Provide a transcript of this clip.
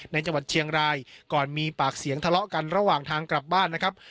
ในจังหวัดเชียงรายก่อนมีปากเสียงทะเลาะกันระหว่างทางกลับบ้านนะครับ